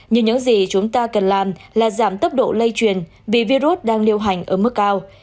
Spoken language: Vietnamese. như những gì chúng ta cần làm là giảm tốc độ lây truyền vì virus đang lưu hành ở mức cao